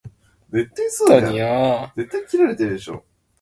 千葉県横芝光町